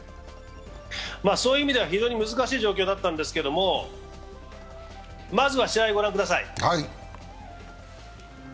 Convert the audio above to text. そういう意味では非常に難しい状況だったんですけどもまずは試合を御覧ください。